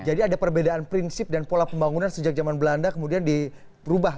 jadi ada perbedaan prinsip dan pola pembangunan sejak zaman belanda kemudian diperubah